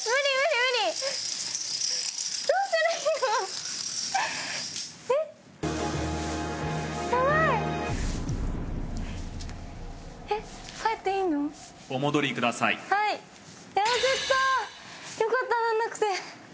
よかった鳴らなくて。